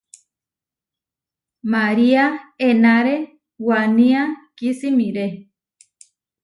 María enáre wanía kisimiré.